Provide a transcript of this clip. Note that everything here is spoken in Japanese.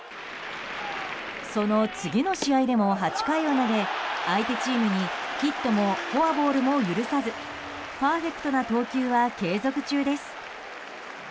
その次の試合でも８回を投げ相手チームにヒットもフォアボールも許さずパーフェクトな投球は継続中です。